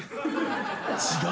違う！？